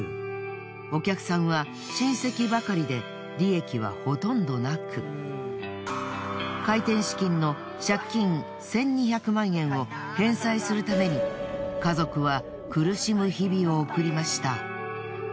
お客さんは親戚ばかりで利益はほとんどなく開店資金の借金１，２００万円を返済するために家族は苦しむ日々を送りました。